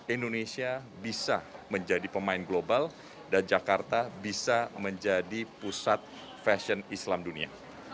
indonesia bisa menjadi pemain global dan jakarta bisa menjadi pusat fashion islam dunia